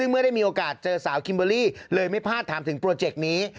เมื่อได้มีโอกาสเจอสาวคิมเบอร์รี่เลยไม่พลาดถามถึงโปรเจกต์นี้